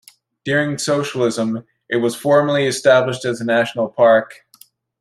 During socialism, it was formally established as a national park.